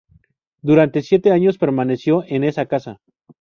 Durante siete años permaneció en esa casa.